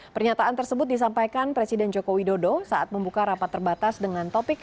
pernyataan tersebut disampaikan presiden joko widodo saat membuka rapat terbatas dengan topik